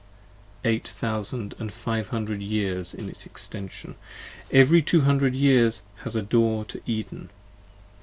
Eight thousand and five hundred years In its extension. Every two hundred years has a door to Eden.